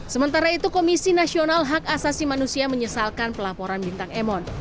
sementara itu komisi nasional hak asasi manusia menyesalkan pelaporan bintang emon